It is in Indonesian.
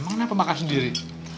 emang kenapa makan sendiri